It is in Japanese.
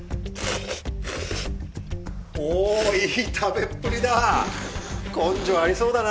おおいい食べっぷりだ。